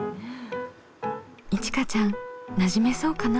いちかちゃんなじめそうかな？